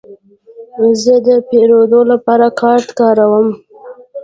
زه د پیرود لپاره کارت کاروم.